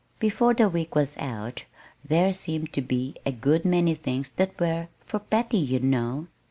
Before the week was out there seemed to be a good many things that were "for Patty, you know."